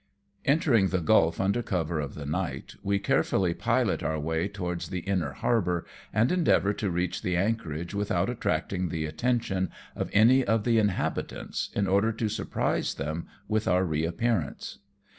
Entering the gulf under cover of the night, we care fully pilot our way up towards the inner harbour, and endeavour to reach the anchorage without attracting the attention of any of the inhabitants, in order to surprise them with our reappearance.